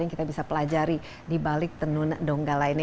yang kita bisa pelajari di balik tenun donggala ini